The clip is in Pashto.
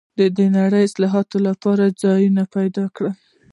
د نړۍ اصلاح لپاره یې د ځانه پیل کړئ.